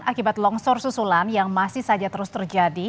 akibat longsor susulan yang masih saja terus terjadi